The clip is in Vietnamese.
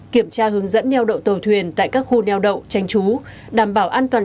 kiểm tra hướng dẫn nheo đậu tàu thuyền tại các khu nheo đậu tranh trú đảm bảo an toàn